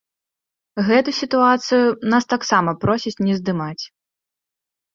Гэту сітуацыю нас таксама просяць не здымаць.